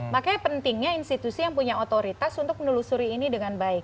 makanya pentingnya institusi yang punya otoritas untuk menelusuri ini dengan baik